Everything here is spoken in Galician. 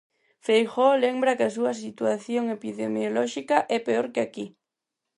Feijóo lembra que a súa situación epidemiolóxica é peor que aquí.